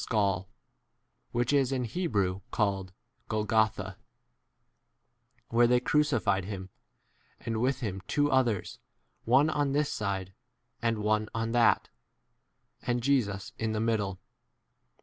skull, which is in Hebrew called 18 Golgotha ; where they crucified him, and with him two others, [one] on this side, and [one] on that, and Jesus in the middle.